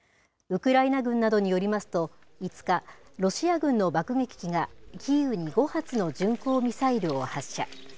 ウクライナ軍などによりますと、５日、ロシア軍の爆撃機が、キーウに５発の巡航ミサイルを発射。